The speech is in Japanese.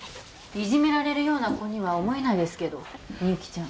いじめられるような子には思えないですけどみゆきちゃん